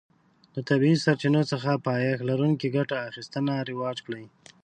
له طبیعي سرچینو څخه پایښت لرونکې ګټه اخیستنه رواج کړي.